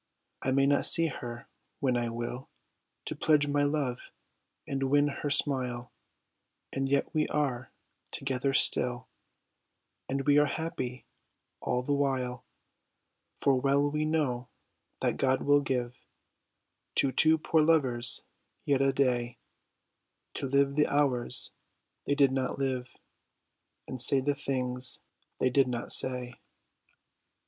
I may not see her when I will To pledge my love and win her smile, And yet we are together still, And we are happy all the while ; 124 'IN FORMA PAUPERIS" For well we know that God will give To two poor lovers yet a day To live the hours they did not live, And say the things they did not say.